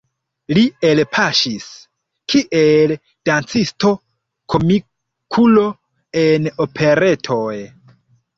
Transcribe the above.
Li elpaŝis kiel dancisto-komikulo en operetoj.